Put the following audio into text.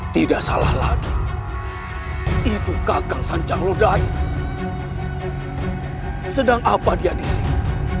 tidak salah lagi itu kakang sancaglodaya sedang apa dia disini